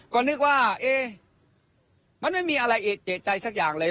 ก็นึกว่ามันไม่มีอะไรเอกใจสักอย่างเลย